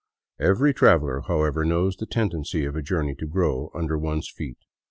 Every trav eler, however, knows the tendency of a journey to grow under one's feet.